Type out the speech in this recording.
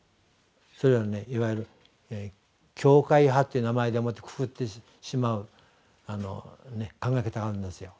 それはいわゆる「教会派」っていう名前でもってくくってしまう考え方があるんですよ。